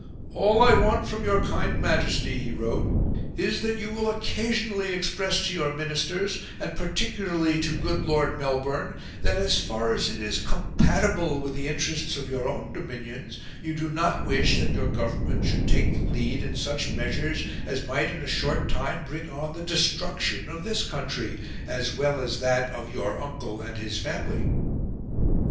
"All I want from your kind Majesty," he wrote, "is, that you will OCCASIONALLY express to your Ministers, and particularly to good Lord Melbourne, that, as far as it is COMPATIBLE with the interests of your own dominions, you do NOT wish that your Government should take the lead in such measures as might in a short time bring on the DESTRUCTION of this country, as well as that of your uncle and his family."